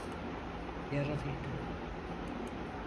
Yaralıydı.